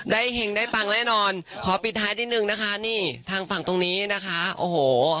เห็งได้ปังแน่นอนขอปิดท้ายนิดนึงนะคะนี่ทางฝั่งตรงนี้นะคะโอ้โห